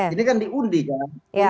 ini kan diundi kan